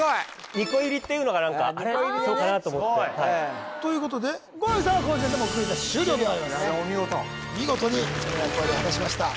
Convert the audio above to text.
２個入りでねそうかなと思ってはいということで後上さんこの時点でもうクイズは終了でございますお見事見事にその役割を果たしました